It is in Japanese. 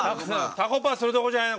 たこパするとこじゃない。